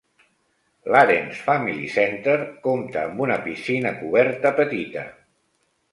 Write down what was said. L'Ahrens Family Center compta amb una piscina coberta petita.